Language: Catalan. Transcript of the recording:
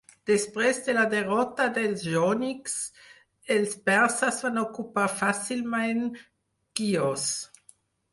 Després de la derrota dels jònics, els perses van ocupar fàcilment Quios.